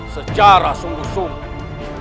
secara sungguh sungguh